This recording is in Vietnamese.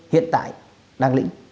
hiện tại đang lĩnh